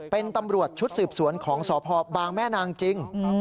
เป็นตำรวจชุดสืบสวนของสพบางแม่นางจริง